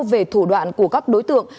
về thủ đoạn của các đối tượng